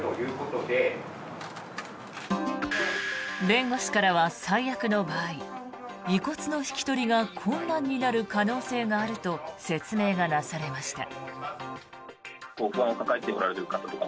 弁護士からは最悪の場合遺骨の引き取りが困難になる可能性があると説明がなされました。